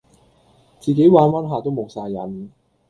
自己玩玩下都無哂癮